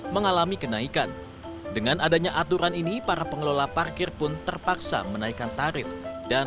mengalami kenaikan dengan adanya aturan ini para pengelola parkir pun terpaksa menaikkan tarif dan